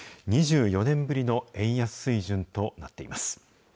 ２４年ぶりの円安水準となっています。